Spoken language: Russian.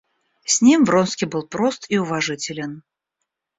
С ним Вронский был прост и уважителен.